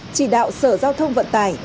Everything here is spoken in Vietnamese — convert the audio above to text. chỉ đạo sở giao thông vận tải